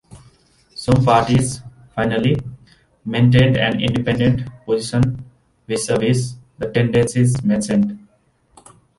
Some parties, finally, maintained an "independent" position vis-a-vis the tendencies mentioned.